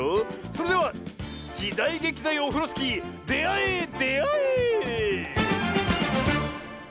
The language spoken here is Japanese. それでは「じだいげきだよオフロスキー」であえであえ！